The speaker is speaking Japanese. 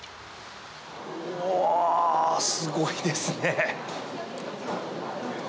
おすごいですね。